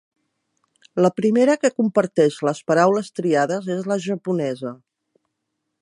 La primera que comparteix les paraules triades és la japonesa.